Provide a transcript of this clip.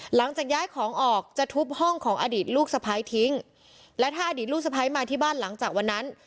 หลังจากย้ายของออกจะทุบห้องของอดีตลูกสะพ้ายทิ้งและถ้าอดีตลูกสะพ้ายมาที่บ้านหลังจากวันนั้น